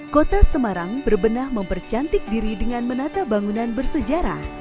kota semarang berbenah mempercantik diri dengan menata bangunan bersejarah